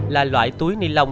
là loại túi ni lông